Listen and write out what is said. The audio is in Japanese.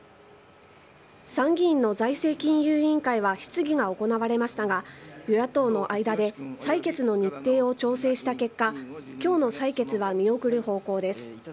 参議院の財政金融委員会は質疑が行われましたが、与野党の間で採決の日程を調整した結果、きょうの採決は見送る方向です。